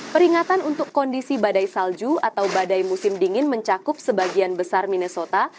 peringatan untuk kondisi badai salju atau badai musim dingin mencakup sebagian besar minesota